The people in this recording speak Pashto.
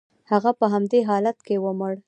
هغه په همدې حالت کې ومړ.